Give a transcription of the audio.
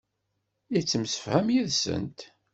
Yettemsefham yid-sent.